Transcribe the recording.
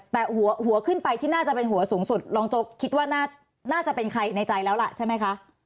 แต่หัวขึ้นไปที่น่าจะเป็นหัวสูงสุดรองโจ๊กคิดว่าน่าจะเป็นใครในใจแล้วล่ะใช่ไหมคะ